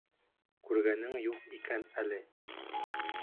Күргәнең юҡ икән әле...